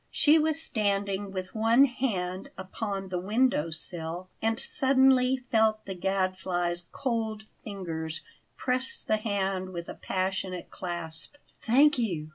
She was standing with one hand upon the window sill, and suddenly felt the Gadfly's cold fingers press the hand with a passionate clasp. "Thank you!"